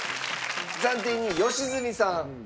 暫定２位良純さん。